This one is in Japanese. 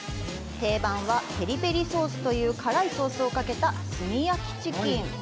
定番は、ペリペリソースという辛いソースをかけた炭焼きチキン。